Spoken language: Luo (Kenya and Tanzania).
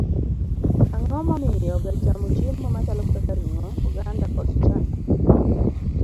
Ang'o momiyo ber chamo chiemo machalo kaka ring'o, oganda, kod chak?